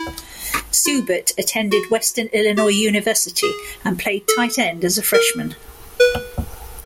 Seubert attended Western Illinois University and played tight end as a freshman.